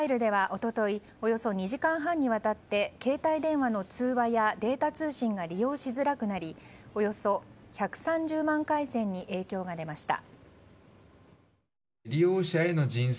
楽天モバイルでは一昨日およそ２時間半にわたって携帯電話の通話やデータ通信が利用しづらくなりおよそ１３０万回線に影響が出ました。